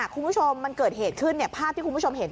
คุณผู้ชมมันเกิดเหตุขึ้นภาพที่คุณผู้ชมเห็น